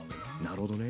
なるほどね。